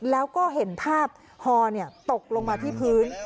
แล้วก็เห็นภาพฮอตกลงมาที่พื้น